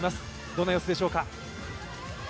どんな様子でしょうか？